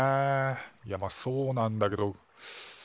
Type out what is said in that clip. いやまあそうなんだけど。